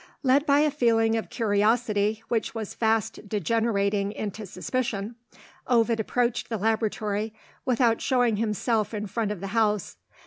Led by a feeling of curiosity, which was fast degenerating into suspicion, Ovid approached the laboratory, without showing himself in front of the house.